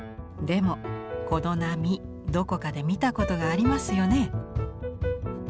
でもこの波どこかで見たことがありますよね？